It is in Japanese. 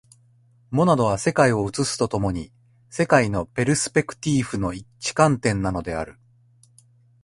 モナドは世界を映すと共に、世界のペルスペクティーフの一観点なのである。